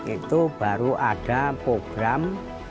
itu baru ada program